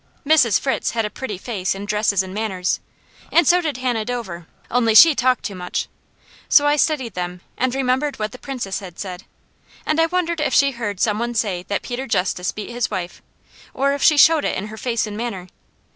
Mrs. Fritz had a pretty face and dresses and manners, and so did Hannah Dover, only she talked too much. So I studied them and remembered what the Princess had said, and I wondered if she heard some one say that Peter Justice beat his wife, or if she showed it in her face and manner.